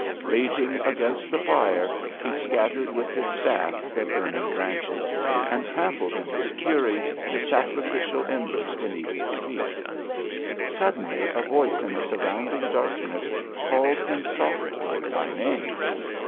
Raging against the fire he scattered with his staff the burn 1 80 DHOYA. ing branches, and trampled in his fury the sacrificial embers beneath his feet. Suddenly a voice in the surrounding dark ness called him softly by name.